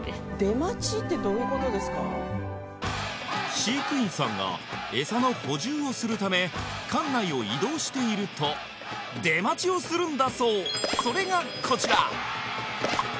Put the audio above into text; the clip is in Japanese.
飼育員さんがエサの補充をするため館内を移動していると出待ちをするんだそうそれがこちら！